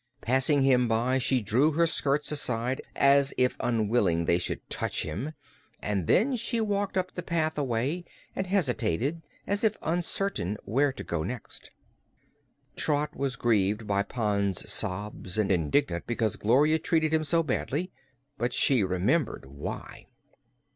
Passing him by, she drew her skirts aside, as if unwilling they should touch him, and then she walked up the path a way and hesitated, as if uncertain where to go next. Trot was grieved by Pon's sobs and indignant because Gloria treated him so badly. But she remembered why.